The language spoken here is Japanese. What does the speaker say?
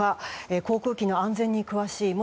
航空機の安全に詳しい元